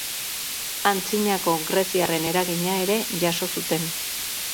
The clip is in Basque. Antzinako greziarren eragina ere jaso zuten.